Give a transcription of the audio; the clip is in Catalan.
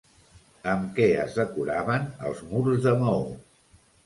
Amb què es decoraven els murs de maó?